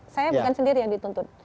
saya bukan sendiri yang dituntut